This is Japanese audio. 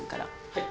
はい。